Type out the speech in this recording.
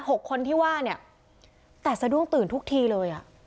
หกคนที่ว่าเนี่ยแต่สะดุ้งตื่นทุกทีเลยอ่ะ